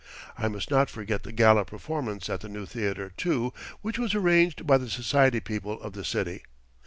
I must not forget the gala performance at the new theater, too, which was arranged by the society people of the city.